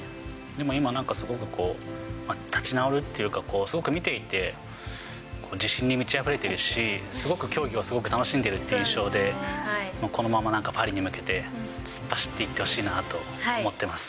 でも今なんかすごくこう、立ち直るっていうか、すごく見ていて、自信に満ちあふれているし、すごく競技をすごく楽しんでるという印象で、このままパリに向けて突っ走っていってほしいなと思ってます。